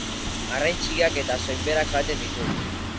Arrain txikiak eta soinberak jaten ditu.